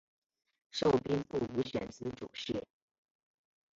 授兵部武选司主事。